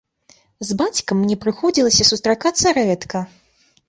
З бацькам мне прыходзілася сустракацца рэдка.